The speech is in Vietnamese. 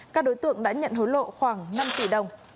các đối tượng đã nhận hối lộ khoảng năm tỷ đồng